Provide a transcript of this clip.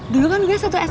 dulu kan gue satu sm